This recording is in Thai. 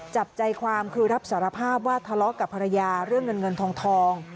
จับใจความคือรับสารภาพว่าทะเลาะกับภรรยาเรื่องเงินเงินทอง